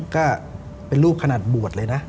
ก็เป็นรูปขนาดบวชเลยนะ